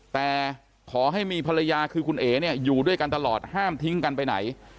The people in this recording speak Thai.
แต่ขอให้มีภรรยาคือคุณเอ๋เนี่ยอยู่ด้วยกันตลอดห้ามทิ้งกันไปไหน